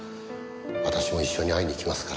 私も一緒に会いに行きますから。